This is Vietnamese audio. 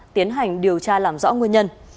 tiến hành điều tra làm rõ nguyên nhân